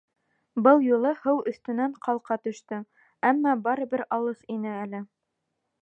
Был юлы һыу өҫтөнән ҡалҡа төштө, әммә барыбер алыҫ ине әле.